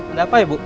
ada apa ya bu